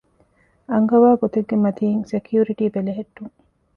އަންގަވާގޮތެއްގެމަތީން ސެކިއުރިޓީ ބެލެހެއްޓުން